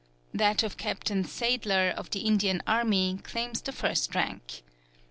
That of Captain Sadler of the Indian army, claims the first rank.